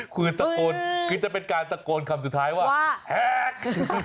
คือจะเป็นการสะโกนคำสุดท้ายว่าแห่ง